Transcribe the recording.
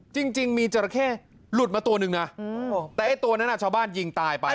จริงมีจราเข้หลุดมาตัวหนึ่งนะแต่ไอ้ตัวนั้นชาวบ้านยิงตายไป